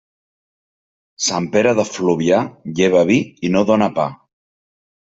Sant Pere de Fluvià lleva vi i no dóna pa.